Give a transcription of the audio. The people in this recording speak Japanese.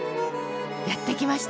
やって来ました